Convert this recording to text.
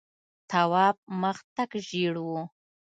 تواب مخ تک ژېړ و.